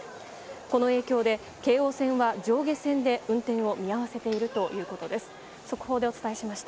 この影響で、京王線は上下線で運転を見合わせているということです。